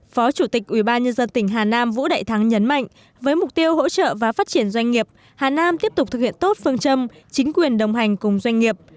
phó chủ tịch ubnd tỉnh hà nam vũ đại thắng nhấn mạnh với mục tiêu hỗ trợ và phát triển doanh nghiệp hà nam tiếp tục thực hiện tốt phương châm chính quyền đồng hành cùng doanh nghiệp